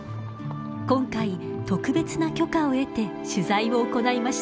今回特別な許可を得て取材を行いました。